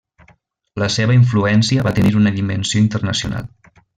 La seva influència va tenir una dimensió internacional.